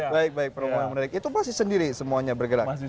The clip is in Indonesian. baik baik itu masih sendiri semuanya bergerak